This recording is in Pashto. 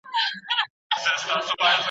ایا علماوو د دولت سره مرسته وکړه؟